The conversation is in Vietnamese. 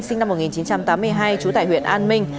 sinh năm một nghìn chín trăm tám mươi hai trú tại huyện an minh